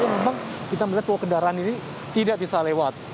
memang kita melihat bahwa kendaraan ini tidak bisa lewat